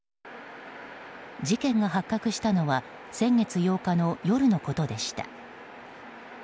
事件が発覚したのは先月８日の夜のことでした。